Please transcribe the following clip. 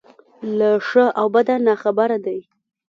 له ښه او بده ناخبره دی.